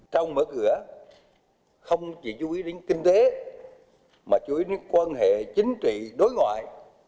trong mở cửa không chỉ chú ý đến kinh tế mà chú ý đến quan hệ chính trị đối ngoại